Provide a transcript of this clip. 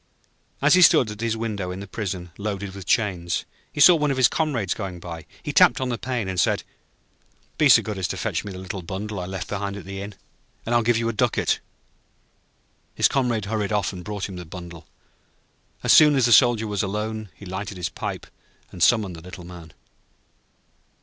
As he stood at his window in the prison, loaded with chains, he saw one of his comrades going by. He tapped on the pane, and said: 'Be so good as to fetch me the little bundle I left behind at the inn, and I will give you a ducat.' His comrade hurried off and brought him the bundle. As soon as the Soldier was alone, he lighted his pipe and summoned the Little Man.